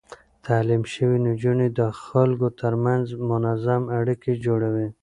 تعليم شوې نجونې د خلکو ترمنځ منظم اړيکې جوړوي.